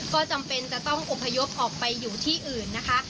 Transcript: ก็จำเป็นจะต้องอบพยพออกไปอยู่ที่อื่นนะคะ